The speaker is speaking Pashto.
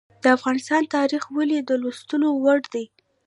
د افغانستان تاریخ ولې د لوستلو وړ دی؟